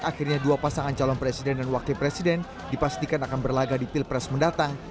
akhirnya dua pasangan calon presiden dan wakil presiden dipastikan akan berlaga di pilpres mendatang